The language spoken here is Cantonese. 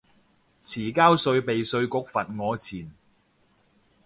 遲交稅被稅局罰我錢